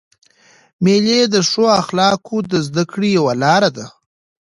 مېلې د ښو اخلاقو د زدهکړي یوه لاره ده.